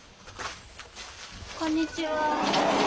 こんにちは。